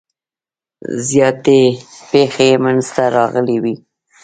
زیاتې پیښې منځته راغلي وي.